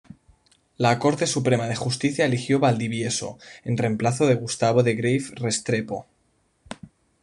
La Corte Suprema de Justicia eligió Valdivieso, en reemplazo de Gustavo de Greiff Restrepo.